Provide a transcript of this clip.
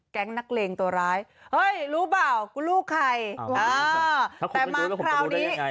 นักเลงตัวร้ายเฮ้ยรู้เปล่ากูลูกใครแต่มาคราวนี้